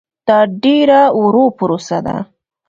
دا ډېره ورو پروسه ده.